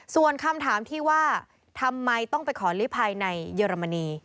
ส่วนคำถามที่ว่าทำไมต้องไปขอลิภัยในเยอรมนี